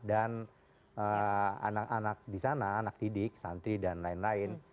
dan anak anak di sana anak didik santri dan lain lain